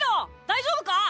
大丈夫か？